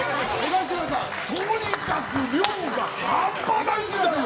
とにかく量が半端ないんだよ！